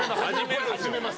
始めます。